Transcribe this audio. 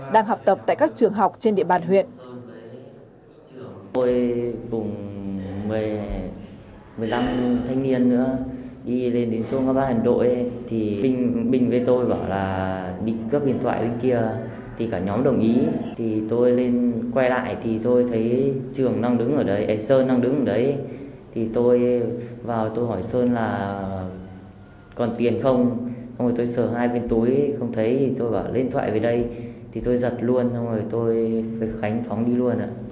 đang học tập tại các trường học trên địa bàn huyện